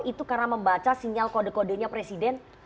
itu karena membaca sinyal kode kodenya presiden